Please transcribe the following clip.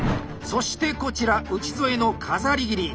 そしてこちら内添の飾り切り。